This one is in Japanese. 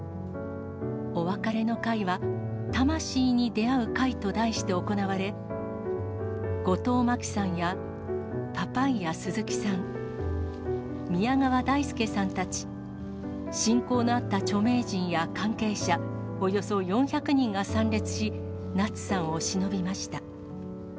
お別れの会は、魂に出会う会と題して行われ、後藤真希さんやパパイヤ鈴木さん、宮川大輔さんたち、親交のあった著名人や関係者、およそ４００人が参列し、夏さんをしのびました。